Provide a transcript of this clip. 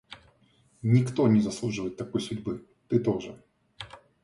Никто не заслуживает такой судьбы. Ты тоже.